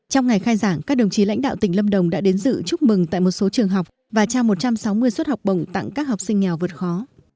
trong ngày khai giảng các đồng chí lãnh đạo tỉnh lâm đồng đã đến dự chúc mừng tại một số trường học và trao một trăm sáu mươi suất học bổng tặng các học sinh nghèo vượt khó